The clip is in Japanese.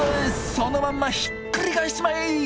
そのまんまひっくり返しちまえぃ！」。